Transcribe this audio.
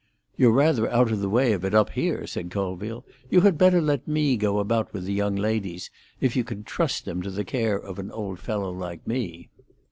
"You're rather out of the way of it up here," said Colville. "You had better let me go about with the young ladies—if you can trust them to the care of an old fellow like me."